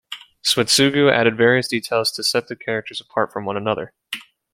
Suetsugu added various details to set the characters apart from one another.